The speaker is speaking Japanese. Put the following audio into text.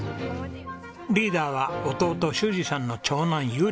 リーダーは弟州史さんの長男悠吏くん。